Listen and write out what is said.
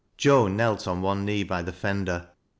Joan knelt on one knee by the fender.